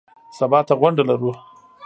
سبا ته غونډه لرو .